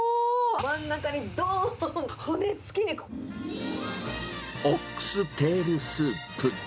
真ん中にどーんと骨付オックステールスープ。